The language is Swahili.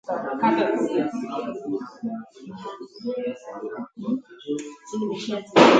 Malkia aliwaambia wageniwe